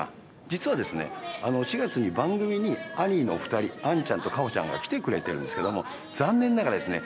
実はですね４月に番組にアニーのお２人杏ちゃんと花帆ちゃんが来てくれてるんですけども残念ながらですね